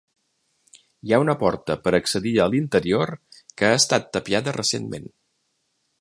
Hi ha una porta per accedir a l'interior que ha estat tapiada recentment.